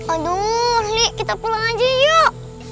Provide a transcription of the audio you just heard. aduh nik kita pulang aja yuk